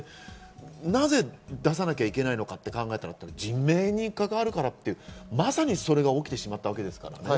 なぜ出さなきゃいけないのかと考えたとき、人命に関わるから、まさにそれが起きてしまったわけですからね。